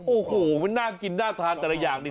โอ้โหมันน่ากินน่าทานแต่ละอย่างนี่